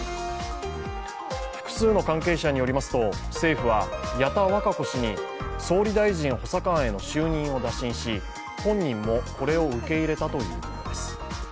複数の関係者によりますと政府は矢田稚子氏に総理大臣補佐官への就任を打診し本人もこれを受け入れたということです。